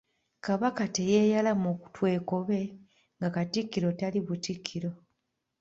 Kabaka teyeyala mu twekobe nga Katikkiro tali butikkiro.